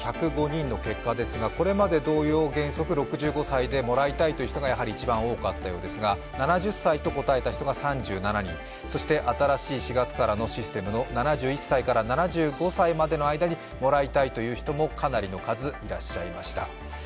１０５人の結果ですがこれまで同様、原則６５歳でもらいたいという人が一番多かったようですが７０歳と答えた人が３７人、そして新しい４月からのシステムの７１歳から７５歳の間にもらいたいという人もかなりの数いらっしゃいました。